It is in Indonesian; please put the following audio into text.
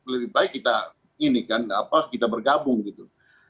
lebih baik kita ini kan kita bergabung gitu